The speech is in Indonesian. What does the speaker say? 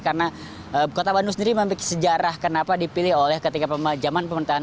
karena kota bandung sendiri memiliki sejarah kenapa dipilih oleh ketiga jaman pemerintahan